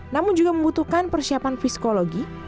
namun juga membutuhkan persiapan psikologi